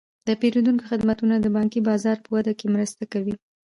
د پیرودونکو خدمتونه د بانکي بازار په وده کې مرسته کوي.